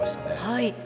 はい。